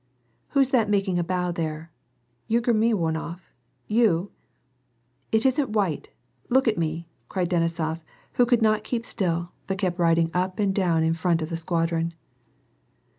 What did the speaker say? '■ Who's tfeit making a bow, there ? Yunker MiVonof, you ? It isn't wight, look at me !" cried Denisof, who could not keep still, but kept riding up and down in front of the squadron.